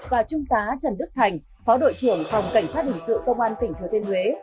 và trung tá trần đức thành phó đội trưởng phòng cảnh sát hình sự công an tỉnh thừa thiên huế